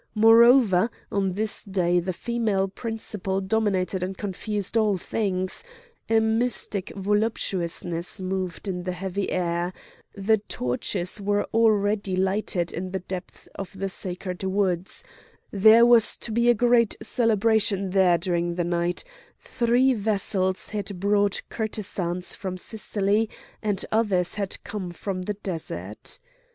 Moreover, on this day the female principle dominated and confused all things; a mystic voluptuousness moved in the heavy air; the torches were already lighted in the depths of the sacred woods; there was to be a great celebration there during the night; three vessels had brought courtesans from Sicily, and others had come from the desert.